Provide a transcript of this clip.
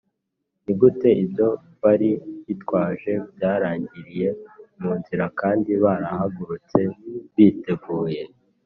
ni gute ibyo bari bitwaje byarangiriye mu nzira kandi barahagurutse biteguye